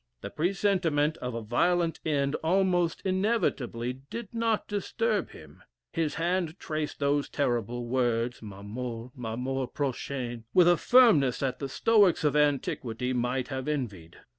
The presentiment of a violent end almost inevitably did not disturb him his hand traced those terrible words, Ma mort, ma mort prochaîne! with a firmness which the Stoics of antiquity might have envied.